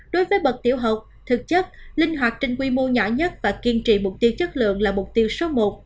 đối với bậc tiểu học thực chất linh hoạt trên quy mô nhỏ nhất và kiên trì mục tiêu chất lượng là mục tiêu số một